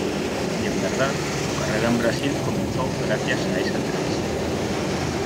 Y en verdad, su carrera en Brasil comenzó gracias a esa entrevista.